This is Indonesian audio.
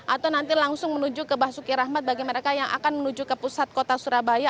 atau nanti langsung menuju ke basuki rahmat bagi mereka yang akan menuju ke pusat kota surabaya